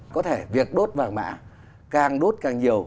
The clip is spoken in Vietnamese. có thể việc đốt vàng mã càng đốt càng nhiều